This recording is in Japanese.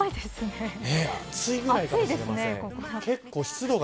暑いぐらいかもしれません。